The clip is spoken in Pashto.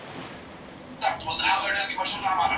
هره دقيقه او ساعت دونه ارزښت لري چي هېڅ ځای کي بديل نه لري.